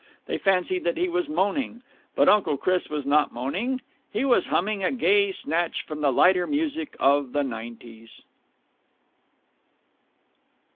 They fancied that he was moaning. But Uncle Chris was not moaning. He was humming a gay snatch from the lighter music of the 'nineties.